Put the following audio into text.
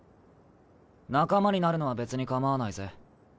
仲間になるのは別に構わないぜ。